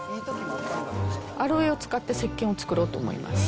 アロエを使ってせっけんを作ろうと思います。